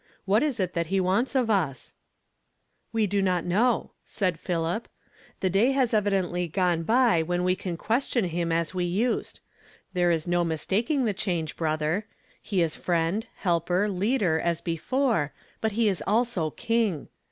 What is it that he wants of us ?"" We do not know," said Philip. " The day has evidently gone by when we can question him as we used. There is no mistaking the change, brother; he is Friend, Helper, Leader, as be fore, but he is also King.